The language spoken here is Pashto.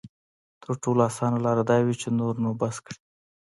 تر ټولو اسانه لاره دا وي چې نور نو بس کړي.